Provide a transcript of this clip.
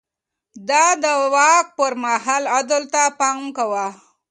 ده د واک پر مهال عدل ته پام کاوه.